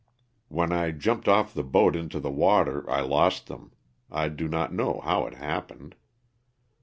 When I jumped off the boat into the water I lost them, I do not know how it happened.